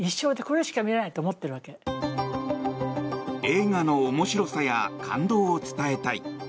映画の面白さや感動を伝えたい。